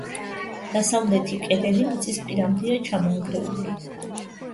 დასავლეთი კედელი მიწის პირამდეა ჩამონგრეული.